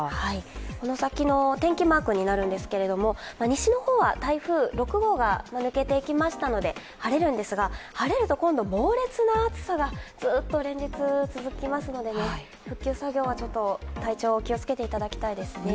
この先の天気マークになるんですけれども、西の方は台風６号が抜けていきましたので晴れるんですが晴れると今度、猛烈な暑さがずっと連日続きますので復旧作業、体調は気をつけていただきたいですね。